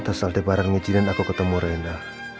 pantes aldebaran ngijinin aku ketemu rina